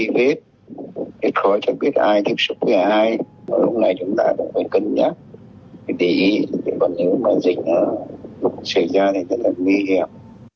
để để ý những dịch xảy ra này rất là nguy hiểm